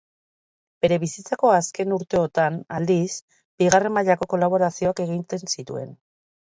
Bere bizitzako azken urteotan, aldiz, bigarren mailako kolaborazioak egiten zituen.